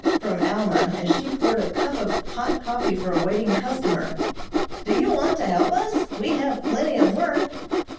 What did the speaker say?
from Alma, as she poured a cup of hot coffee for a waiting customer. "Do you want to help us? We have plenty of work."